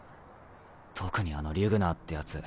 特にあのリュグナーってヤツ